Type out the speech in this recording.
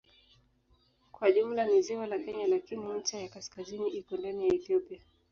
Kwa jumla ni ziwa la Kenya lakini ncha ya kaskazini iko ndani ya Ethiopia.